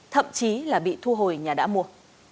thậm chí là bị thu hồi nhà đã mua